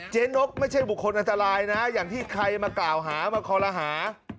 นกไม่ใช่บุคคลอันตรายนะอย่างที่ใครมากล่าวหามาคอลหา